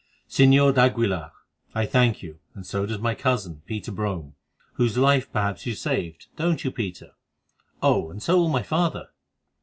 "Señor d'Aguilar, I thank you, and so does my cousin, Peter Brome, whose life perhaps you saved—don't you, Peter? Oh! and so will my father."